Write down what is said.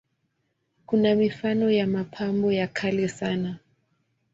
Kuna mifano ya mapambo ya kale sana.